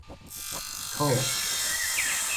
โทษ